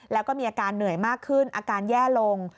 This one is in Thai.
แล้วก็มีอาการเหนื่อยมากขึ้นอาการแย่ลง